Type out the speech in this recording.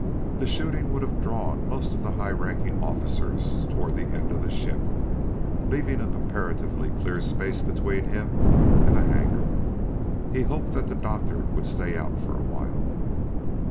The shooting would have drawn most of the high ranking officers toward the end of the ship, leaving a comparatively clear space between him and the hangar. He hoped that the doctor would stay out for awhile.